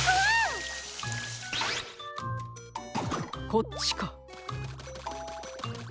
こっちか。